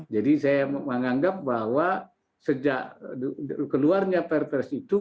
jadi saya menganggap bahwa sejak keluarnya pr prs itu